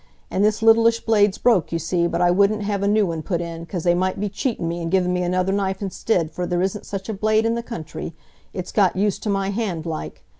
An' this littlish blade's broke, you see, but I wouldn't hev a new un put in, 'cause they might be cheatin' me an' givin' me another knife instid, for there isn't such a blade i' the country,—it's got used to my hand, like.